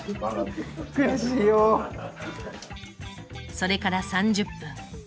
それから３０分。